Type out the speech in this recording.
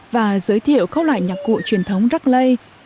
và giới thiệu các loại nhạc cụ truyền thống rắc lây